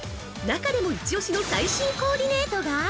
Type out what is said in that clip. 中でもイチオシの最新コーディネートが？